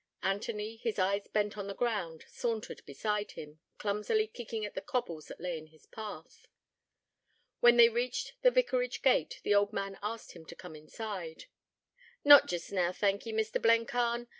Anthony, his eyes bent on the ground, sauntered beside him, clumsily kicking at the cobbles that lay in his path. When they reached the vicarage gate, the old man asked him to come inside. 'Not jest now, thank ye, Mr. Blencarn.